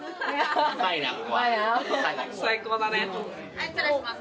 はい失礼します。